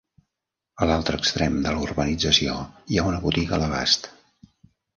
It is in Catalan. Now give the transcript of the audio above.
A l'altre extrem de la urbanització hi ha una botiga a l'abast.